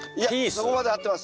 そこまで合ってます。